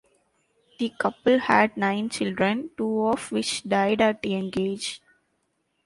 The couple had nine children, two of which died at young age.